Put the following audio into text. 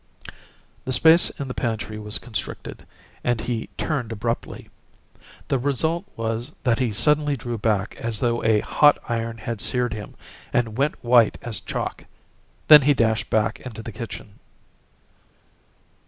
The space in the pantry was constricted, and he turned abruptly. The result was that he suddenly drew back as though a hot iron had seared him, and went white as chalk. Then he dashed back into the kitchen.